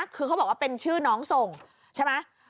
คือเขาบอกว่าเป็นชื่อน้องส่งใช่ไหม